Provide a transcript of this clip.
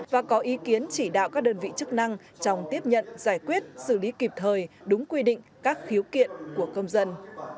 và có ý kiến chỉ đạo các đơn vị chức năng trong tiếp nhận giải quyết xử lý kịp thời đúng quy định các khiếu kiện của công dân